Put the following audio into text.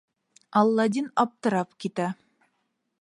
Аладдин аптырап китә.